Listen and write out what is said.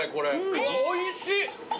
うわおいしい！